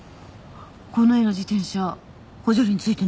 この絵の自転車補助輪付いてないでしょ？